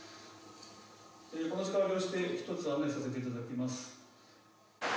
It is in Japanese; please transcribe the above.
この時間を利用して一つ案内させていただきます